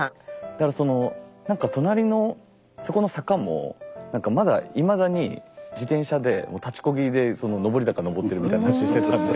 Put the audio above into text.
だからその何か隣のそこの坂も何かまだいまだに自転車で立ちこぎでその上り坂上ってるみたいな話をしてたんで。